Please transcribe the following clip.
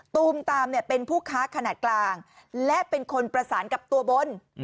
ตูมตามเป็นผู้ค้าขนาดกลางและเป็นคนประสานกับตัวบน